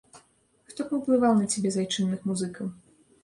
Хто паўплываў на цябе з айчынных музыкаў?